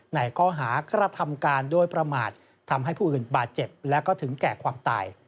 ในข้อหากระทำการโดยประมาททำให้ผู้อื่นบาดเจ็บและก็ถึงแก่ความตาย